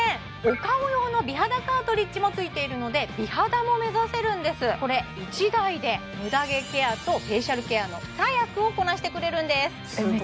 お顔用の美肌カートリッジも付いているので美肌も目指せるんですこれ１台でムダ毛ケアとフェイシャルケアの２役をこなしてくれるんですすごーい